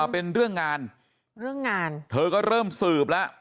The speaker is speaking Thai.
เป็นเรื่องงานเธอก็เริ่มสืบละ